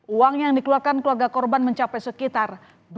uang yang dikeluarkan keluarga korban mencapai sekitar